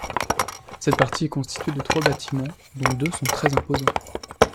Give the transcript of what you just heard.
Cette partie est constituée de trois bâtiments dont deux sont très imposants.